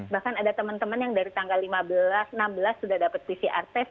bahkan ada teman teman yang dari tanggal lima belas enam belas sudah dapat pcr test